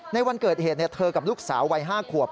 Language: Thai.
ในวันเกิดเหตุเธอกับลูกสาววัย๕ขวบ